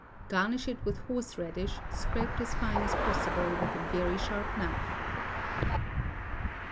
Garnish it with horseradish, scraped as fine as possible with a very sharp knife.